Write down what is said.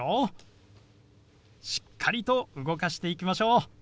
しっかりと動かしていきましょう。